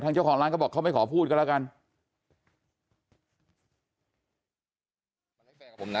เจ้าของร้านเขาบอกเขาไม่ขอพูดก็แล้วกัน